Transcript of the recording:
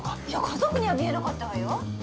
いや家族には見えなかったわよ。